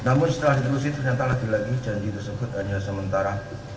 namun setelah diterusin ternyata lagi lagi janji tersebut hanya sementara